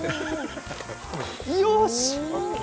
よし！